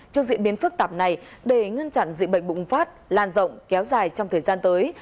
trước diễn biến phức tạp này để ngăn chặn dịch bệnh bùng phát lan rộng kéo dài trong thời gian tới